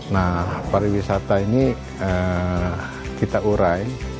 nah pariwisata ini kita urai